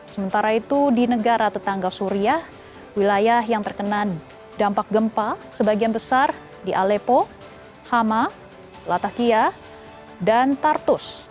sementara itu di negara tetangga suriah wilayah yang terkena dampak gempa sebagian besar di alepo hama latakia dan tartus